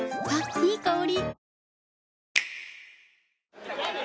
いい香り。